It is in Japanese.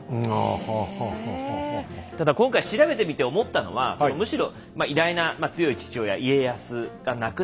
ただ今回調べてみて思ったのはむしろ偉大な強い父親家康が亡くなったあと